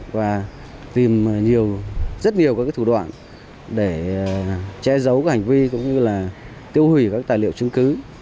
và tìm rất nhiều các thủ đoạn để che giấu hành vi cũng như tiêu hủy các tài liệu chứng cứ